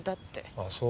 ああそう。